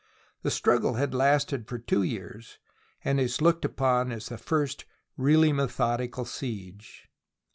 The struggle had lasted for two years, and is looked upon as the first really methodical siege.